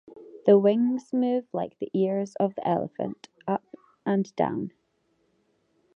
The wings move like the ears of the elephant, up and down.